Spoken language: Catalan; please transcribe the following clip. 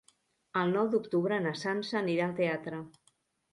El nou d'octubre na Sança anirà al teatre.